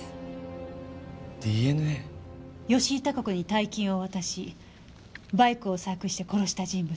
吉井孝子に大金を渡しバイクを細工して殺した人物。